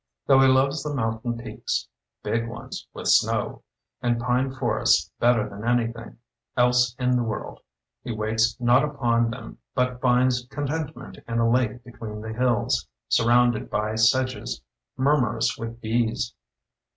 Though he loves the moun tain peaks — "big ones, with snow" — and pine forests better than anything else in the world, he waits not upon them but finds contentment in a lake between the hills, surrounded by sedges, murmurous with bees.